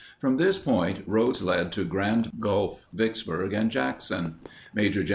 From this point, roads led to Grand Gulf, Vicksburg, and Jackson. Maj. Gen.